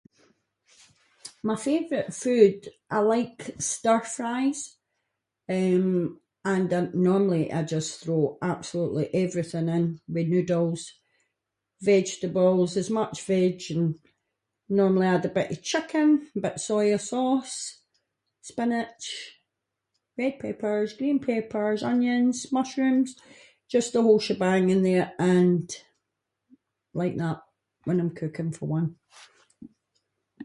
My favourite food, I like stir-fries, eh, and I normally I just throw absolutely everything in, with noodles, vegetables, as much veg and normally add a bit of chicken, bit soya sauce, spinach, red peppers, green peppers, onions, mushrooms, just the whole shebang in there, and like that, when I’m cooking for one.